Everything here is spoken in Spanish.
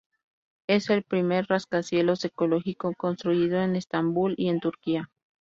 Es el primer rascacielos ecológico construido en Estambul y en Turquía.